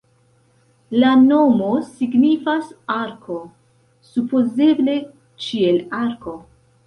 La nomo signifas "arko", supozeble "ĉielarko".